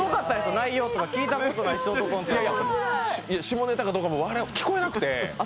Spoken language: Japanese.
内容とか下ネタかどうかも我々聞こえなくて。